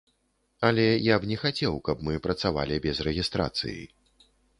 Але я б не хацеў, каб мы працавалі без рэгістрацыі.